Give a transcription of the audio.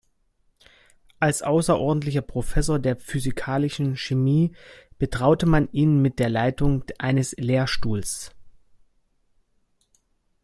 Als außerordentlicher Professor der physikalischen Chemie betraute man ihn mit der Leitung eines Lehrstuhls.